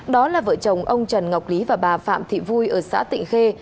đó là vợ chồng ông trần ngọc lý và bà phạm thị vui ở xã tịnh khê